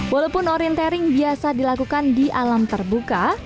walaupun orientering biasa dilakukan di alam terbuka